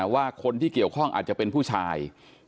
ว่าคนที่เกี่ยวข้องอาจจะเป็นผู้ชาย